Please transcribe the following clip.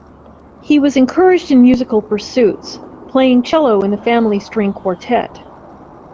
He was encouraged in musical pursuits, playing cello in the family string quartet.